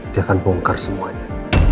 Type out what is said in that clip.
dia akan bongkar semuanya